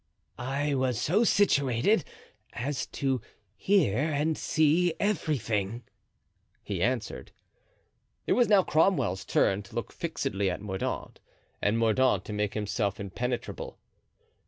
"I was so situated as to hear and see everything," he answered. It was now Cromwell's turn to look fixedly at Mordaunt, and Mordaunt to make himself impenetrable.